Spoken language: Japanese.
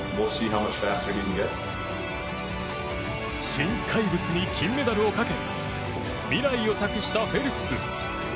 新怪物に金メダルをかけ未来を託したフェルプス。